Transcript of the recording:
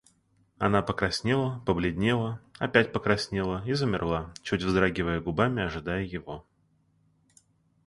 Она покраснела, побледнела, опять покраснела и замерла, чуть вздрагивая губами, ожидая его.